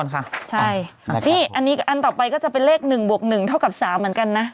อันนี้อันต่อไปก็จะเป็นเลข๑บวก๑เท่ากับ๓เหมือนกันนะ